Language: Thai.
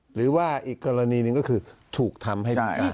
หรือว่าอีกกรณีหนึ่งก็คือถูกทำให้ได้